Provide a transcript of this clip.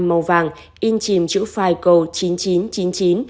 màu vàng in chìm chữ phai cầu